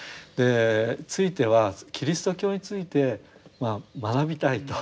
ついてはキリスト教について学びたいと。